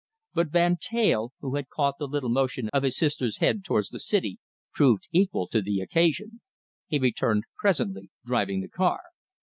But Van Teyl, who had caught the little motion of his sister's head towards the city, proved equal to the occasion. He returned presently, driving the car.